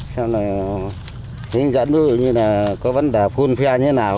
xem là hình dẫn như là có vấn đề full fare như thế nào